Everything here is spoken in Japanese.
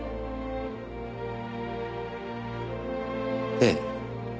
ええ。